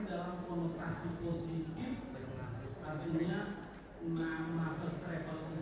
kemudian ketika selesai menjalani pekerjaan